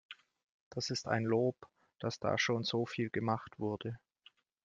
Das ist ein Lob, dass da schon so viel gemacht wurde.